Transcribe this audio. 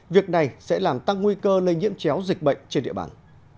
việc này sẽ làm tăng nguy cơ lây nhiễm chéo dịch bệnh trên địa bàn